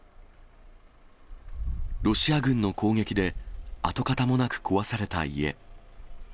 ロシア軍の攻撃で跡形もなく壊された家。